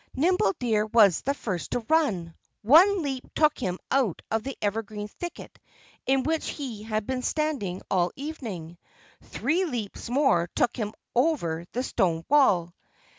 Nimble Deer was the first to run. One leap took him out of the evergreen thicket in which he had been standing all the evening. Three leaps more took him over the stone wall.